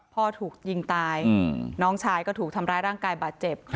พ่อถูกยิงตายน้องชายก็ถูกทำร้ายร่างกายบาดเจ็บ